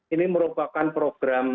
ini merupakan program pijak